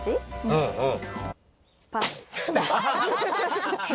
うんうん。